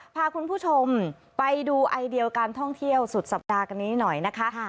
พาคุณผู้ชมไปดูไอเดียการท่องเที่ยวสุดสัปดาห์กันนี้หน่อยนะคะ